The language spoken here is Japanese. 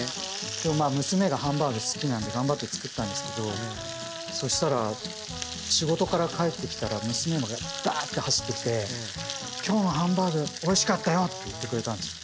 でもまあ娘がハンバーグ好きなんで頑張って作ったんですけどそしたら仕事から帰ってきたら娘がダーッと走ってきてって言ってくれたんですよね。